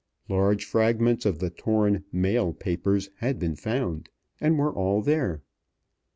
Large fragments of the torn "mail papers" had been found, and were all there.